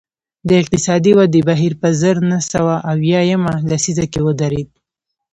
د اقتصادي ودې بهیر په زر نه سوه اویا یمه لسیزه کې ودرېد